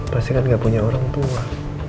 pasti kan gak punya orang tua